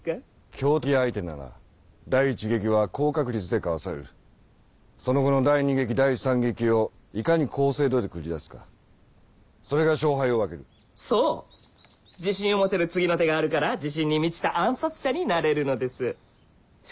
強敵相手なら第１撃は高確率でかわされるその後の第２撃第３撃をいかに高精度で繰り出すかそれが勝敗を分けるそう自信を持てる次の手があるから自信に満ちた暗殺者になれるのですしかし